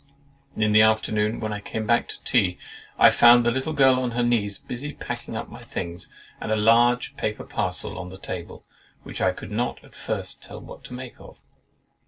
In the afternoon, when I came back to tea, I found the little girl on her knees, busy in packing up my things, and a large paper parcel on the table, which I could not at first tell what to make of.